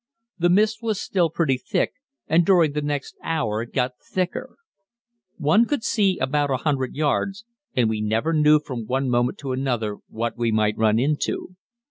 The mist was still pretty thick, and during the next hour it got thicker. One could see about 100 yards, and we never knew from one moment to another what we might run into.